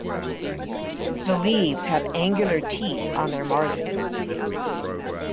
The leaves have angular teeth on their margins.